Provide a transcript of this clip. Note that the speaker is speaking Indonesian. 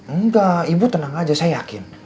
enggak ibu tenang aja saya yakin